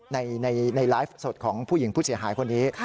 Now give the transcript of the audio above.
ในไลฟ์สดของผู้หญิงผู้เสียหายคนนี้